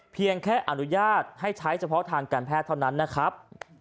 เพียงแค่อนุญาตให้ใช้เฉพาะทางการแพทย์เท่านั้นนะครับ